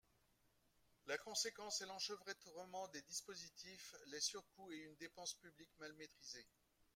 La conséquence est l’enchevêtrement des dispositifs, les surcoûts et une dépense publique mal maîtrisée.